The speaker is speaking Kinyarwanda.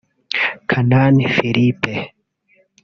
Kanani Philippe